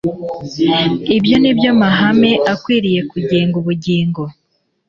ibyo ni byo mahame akwiriye kugenga ubugingo.